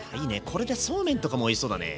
これでそうめんとかもおいしそうだね。